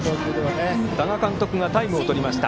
多賀監督がタイムをとりました。